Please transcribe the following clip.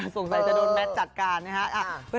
สงสัยจะโดนแมทจัดการนะค่ะ